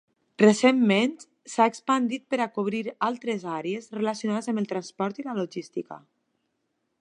Recentment s'ha expandit per a cobrir altres àrees relacionades amb el transport i la logística.